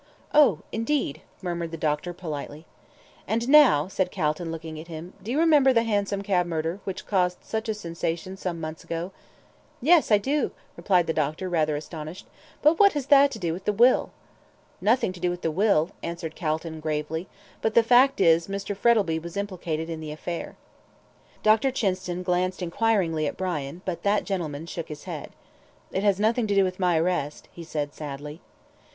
"Oh, indeed," murmured the doctor, politely. "And now," said Calton, looking at him, "do you remember the hansom cab murder, which caused such a sensation some months ago?" "Yes, I do," replied the doctor, rather astonished; "but what has that to do with the will?" "Nothing to do with the will," answered Calton, gravely; "but the fact is, Mr. Frettlby was implicated in the affair." Dr. Chinston glanced enquiringly at Brian, but that gentleman shook his head. "It has nothing to do with my arrest," he said, sadly.